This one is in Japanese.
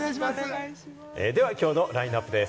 ではきょうのラインナップです。